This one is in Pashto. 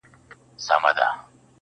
ترې يې وپوښتې كيسې د عملونو -